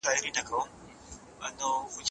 دولتونه د خپلو اړيکو له پاره څه ډول سياست کاروي؟